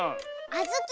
あずき！